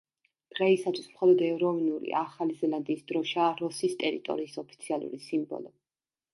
დღეისათვის, მხოლოდ ეროვნული ახალი ზელანდიის დროშაა როსის ტერიტორიის ოფიციალური სიმბოლო.